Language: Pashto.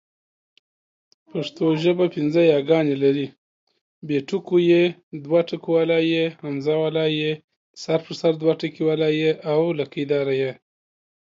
پښتو ژبه پینځه یاګانې لري: ی، ي، ئ، ې او ۍ